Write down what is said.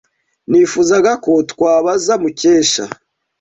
Nifuzaga ko twabaza Mukesha.